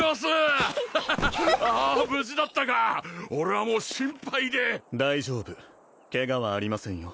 無事だったか俺はもう心配で大丈夫ケガはありませんよ